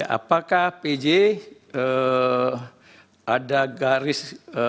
apakah pj ada garis